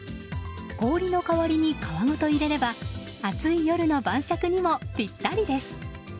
氷の代わりに皮ごと入れれば暑い夜の晩酌にもぴったりです。